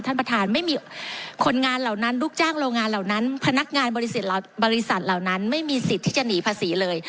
ท่านประธานไม่มีคนงานเหล่านั้นลูกจ้างโรงงานเหล่านั้นพนักงานบริษัทเหล่านั้นไม่มีสิทธิ์ที่จะหนีภาษีเลย